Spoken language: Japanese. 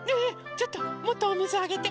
ちょっともっとおみずあげて。